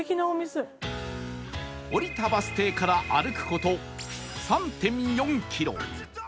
降りたバス停から歩く事 ３．４ キロ